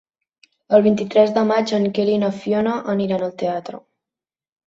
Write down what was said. El vint-i-tres de maig en Quer i na Fiona aniran al teatre.